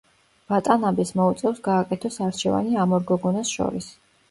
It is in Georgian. ვატანაბეს მოუწევს გააკეთოს არჩევანი ამ ორ გოგონას შორის.